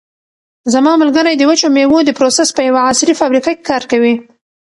زما ملګری د وچو مېوو د پروسس په یوه عصري فابریکه کې کار کوي.